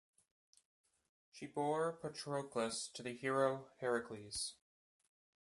She bore Patroclus to the hero Heracles.